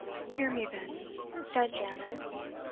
"Hear me, then," said Janet.